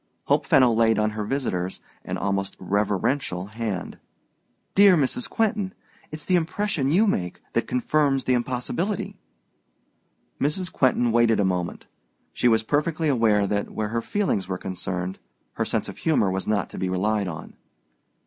Hope Fenno laid on her visitor's an almost reverential hand. "Dear Mrs. Quentin, it's the impression you make that confirms the impossibility." Mrs. Quentin waited a moment: she was perfectly aware that, where her feelings were concerned, her sense of humor was not to be relied on.